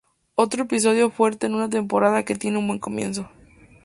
Otro episodio fuerte en una temporada que tiene un buen comienzo".